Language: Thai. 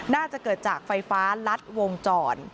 น่าจะเกิดจากไฟฟ้ารัดวงจร